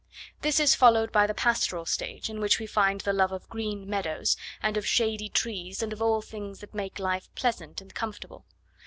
This is followed by the pastoral stage in which we find the love of green meadows and of shady trees and of all things that make life pleasant and comfortable.